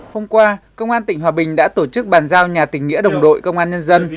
hôm qua công an tỉnh hòa bình đã tổ chức bàn giao nhà tỉnh nghĩa đồng đội công an nhân dân